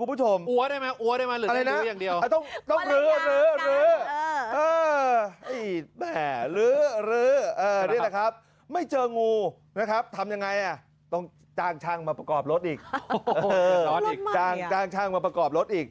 หัวได้ไหมหัวได้ไหม